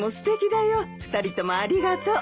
２人ともありがとう。